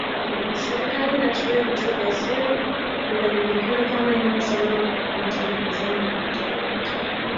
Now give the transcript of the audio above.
serikali inatumia vituo vya siri vinavyojulikana kama nyumba salama kuwakamata wapinzani na kuwatesa mateka